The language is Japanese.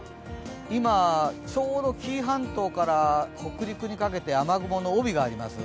今、ちょうど紀伊半島から北陸にかけて雨雲の帯があります。